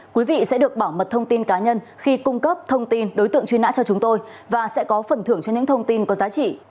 quý vị sẽ được bảo mật thông tin cá nhân khi cung cấp thông tin đối tượng truy nã cho chúng tôi và sẽ có phần thưởng cho những thông tin có giá trị